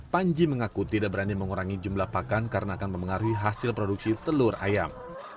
panji mengaku tidak berani mengurangi jumlah pakan karena akan mempengaruhi hasil produksi telur ayam